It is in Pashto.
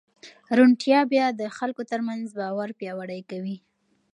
روڼتیا بیا د خلکو ترمنځ باور پیاوړی کوي.